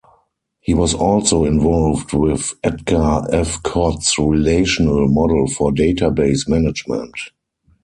He was also involved with Edgar F. Codd's relational model for database management.